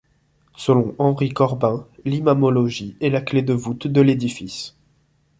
Selon Henry Corbin, l'imamologie est la clef de voûte de l'édifice.